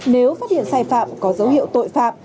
nếu phát hiện sai phạm có dấu hiệu tội phạm